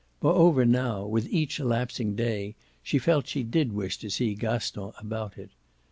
Moreover now, with each elapsing day, she felt she did wish to see Gaston about it.